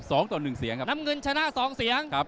สองต่อหนึ่งเสียงครับน้ำเงินชนะสองเสียงครับ